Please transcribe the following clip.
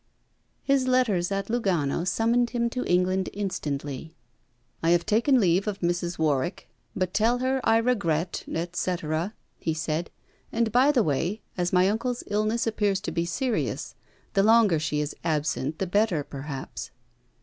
His letters at Lugano summoned him to England instantly. 'I have taken leave of Mrs. Warwick, but tell her I regret, et caetera,' he said; 'and by the way, as my uncle's illness appears to be serious, the longer she is absent the better, perhaps.'